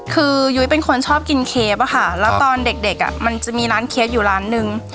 คือยุ้ยเป็นคนชอบกินเคฟอะค่ะแล้วตอนเด็กมันจะมีร้านเคฟอยู่ร้านนึง